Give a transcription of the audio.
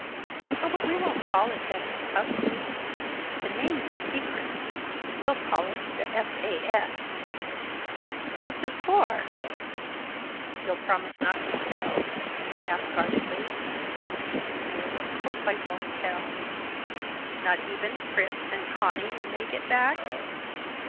"Oh, but we won't call it that in public. The name's a secret. We'll call it the S. A. S." "What's it for?" "You'll promise not to tell?" Mae asked guardedly. "No, of course I won't tell." "Not even Pris and Conny when they get back?"